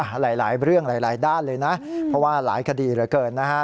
หลายเรื่องหลายด้านเลยนะเพราะว่าหลายคดีเหลือเกินนะฮะ